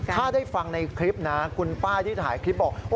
ถ้าได้ฟังในคลิปนะคุณป้าที่ถ่ายคลิปบอก